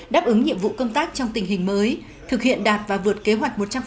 đáp ứng nhiệm vụ công tác trong tình hình mới thực hiện đạt và vượt kế hoạch một trăm linh